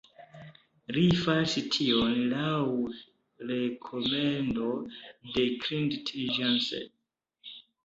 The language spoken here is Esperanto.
Li faris tion laŭ rekomendo de Klindt-Jensen.